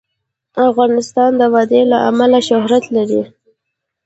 افغانستان د وادي له امله شهرت لري.